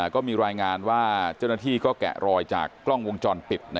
ก็มีรายงานว่าเจ้าหน้าที่ก็แกะรอยจากกล้องวงจรปิด